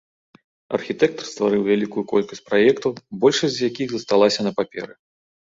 Архітэктар стварыў вялікую колькасць праектаў, большасць з якіх засталася на паперы.